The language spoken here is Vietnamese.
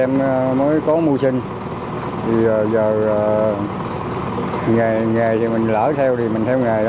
mình mới có mưu sinh thì giờ nghề thì mình lỡ theo thì mình theo nghề đó